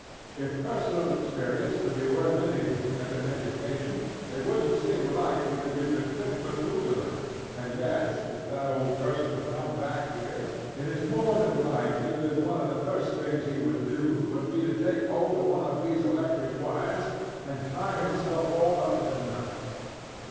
If personal experience can be worth anything as an education, it wouldnŌĆÖt seem likely that you could trip Methuselah; and yet if that old person could come back here it is more than likely that one of the first things he would do would be to take hold of one of these electric wires and tie himself all up in a knot.